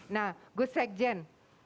nah gus sekjen